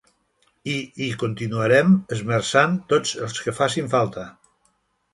I hi continuarem esmerçant tots els que facin falta.